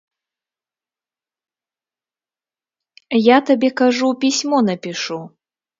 Я табе, кажу, пісьмо напішу.